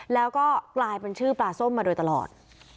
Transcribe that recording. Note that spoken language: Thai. แล้วก็กลายเป็นชื่อปลาส้มมาโดยตลอด